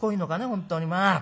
本当にまあ」。